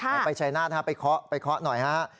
เอาไปชัยนาศนะครับไปเคาะไปเคาะหน่อยฮะ